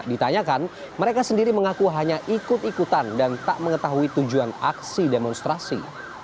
ditanyakan mereka sendiri mengaku hanya ikut ikutan dan tak mengetahui tujuan aksi demonstrasi